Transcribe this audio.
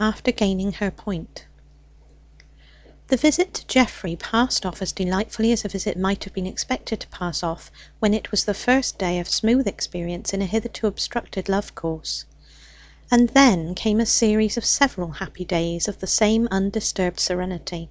AFTER GAINING HER POINT The visit to Geoffrey passed off as delightfully as a visit might have been expected to pass off when it was the first day of smooth experience in a hitherto obstructed love course. And then came a series of several happy days, of the same undisturbed serenity.